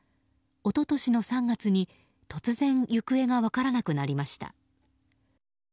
一昨年の３月に突然、行方が分からなくなりました。